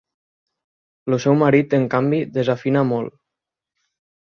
El seu marit, en canvi, desafina molt.